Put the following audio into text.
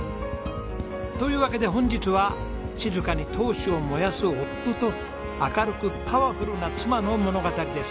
というわけで本日は静かに闘志を燃やす夫と明るくパワフルな妻の物語です。